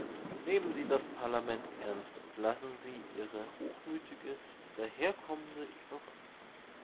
Nehmen Sie das Parlament ernst, und lassen Sie Ihre hochmütig daherkommende Ignoranz.